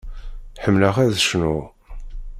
Ḥemmleɣ ad cnuɣ.